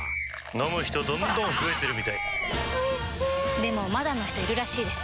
飲む人どんどん増えてるみたいおいしでもまだの人いるらしいですよ